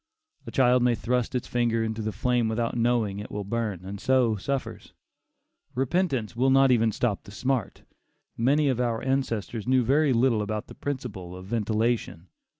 A child may thrust its finger into the flame without knowing it will burn, and so suffers; repentance even will not stop the smart. Many of our ancestors knew very little about the principle of ventilation.